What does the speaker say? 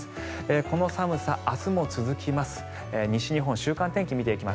この寒さ、明日も続きます。